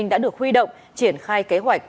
đã được huy động triển khai kế hoạch